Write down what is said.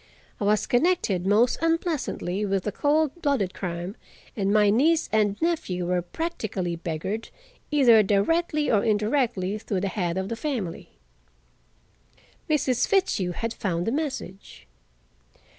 I was connected most unpleasantly with a cold blooded crime, and my niece and nephew were practically beggared, either directly or indirectly, through the head of the family. Mrs. Fitzhugh had found the message.